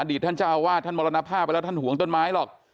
ท่านเจ้าอาวาสท่านมรณภาพไปแล้วท่านห่วงต้นไม้หรอก